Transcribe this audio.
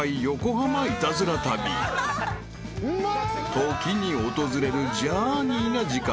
［時に訪れるジャーニーな時間］